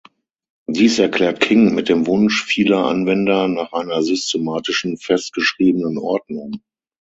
Dies erklärt King mit dem Wunsch vieler Anwender nach einer systematischen festgeschriebenen Ordnung.